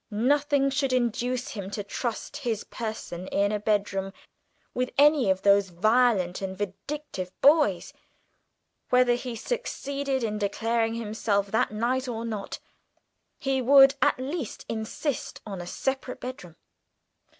Nothing should induce him to trust his person in a bedroom with any of those violent and vindictive boys; whether he succeeded in declaring himself that night or not, he would at least insist on a separate bedroom.